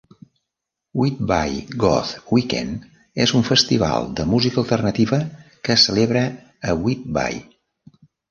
Whitby Goth Weekend és un festival de música alternativa que es celebra a Whitby.